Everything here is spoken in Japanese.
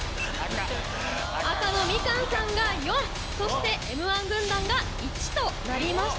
赤のみかんさんが４そしてＭ−１軍団が１となりました。